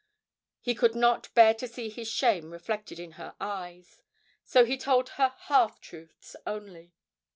He could not bear to see his shame reflected in her eyes. So he told her half truths only.